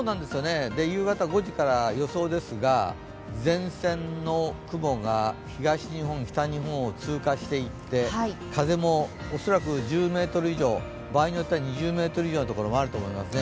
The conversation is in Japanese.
夕方５時から予想ですが、前線の雲が東日本、北日本を通過していって風も恐らく１０メートル以上、場合によっては２０メートル以上のところもあると思いますね。